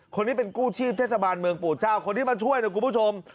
คนนี้เป็นกู้ชีพเทศบาลเมืองปู่เจ้าคนที่มาช่วยนะคุณผู้ชม